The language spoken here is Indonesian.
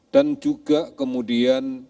dan juga untuk mencari tempat untuk berbicara